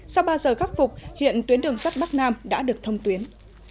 sau ba giờ khắc phục hiện tuyến đường sắt bắc nam đã được thông tuyến